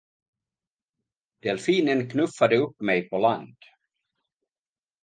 Delfinen knuffade upp mig på land.